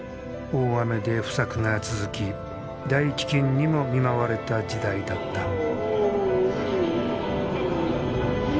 大雨で不作が続き大飢きんにも見舞われた時代だった。